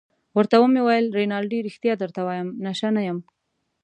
ورته ومې ویل: رینالډي ريښتیا درته وایم، نشه نه یم.